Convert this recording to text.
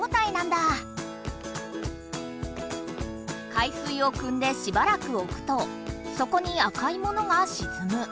海水をくんでしばらくおくと底に赤いものがしずむ。